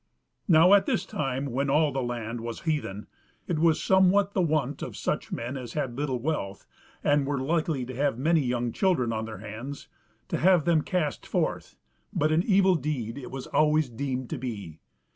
Now, at this time when all the land was heathen, it was somewhat the wont of such men as had little wealth, and were like to have many young children on their hands, to have them cast forth, but an evil deed it was always deemed to be.